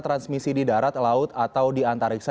transmisi di darat laut atau di antariksa